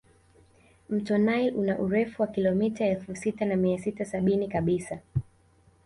Mto nile una urefu wa kilomita elfu sita na mia sita sabini kabisa